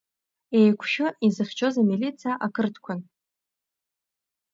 Еиқәшәы, изыхьчоз амилициа ақырҭқәан.